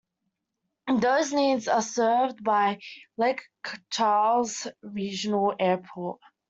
Those needs are served by Lake Charles Regional Airport.